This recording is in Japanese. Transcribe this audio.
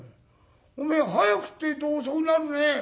おめえは早くって言うと遅くなるね。